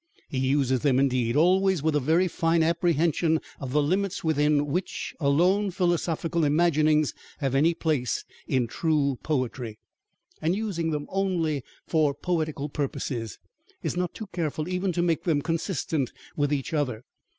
He uses them, indeed, always with a very fine apprehension of the limits within which alone philosophical imaginings have any place in true poetry; and using them only for poetical purposes, is not too careful even to make them consistent with each other.